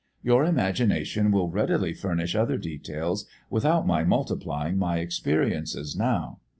Your imagination will readily furnish other details without my multiplying my experiences now.